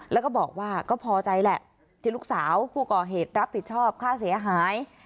แล้วก็บอกว่าก็พอใจแหละที่ลูกสาวผู้ก่อเหตุรับผิดชอบค่าเสียหาย